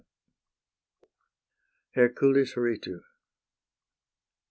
HERCULIS RITU.